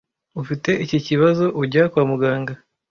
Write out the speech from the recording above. ufite iki kibazo ujya kwa muganga